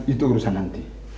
itu urusan nanti